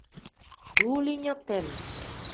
Duulinya tem.